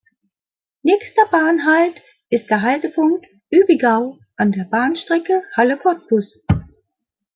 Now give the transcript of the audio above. Nächster Bahnhalt ist der Haltepunkt "Uebigau" an der Bahnstrecke Halle–Cottbus.